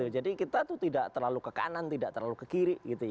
jadi kita tuh tidak terlalu ke kanan tidak terlalu ke kiri